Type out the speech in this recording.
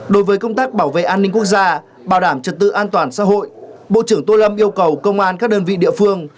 đối với công tác bảo vệ an ninh quốc gia bảo đảm trật tự an toàn xã hội bộ trưởng tô lâm yêu cầu công an các đơn vị địa phương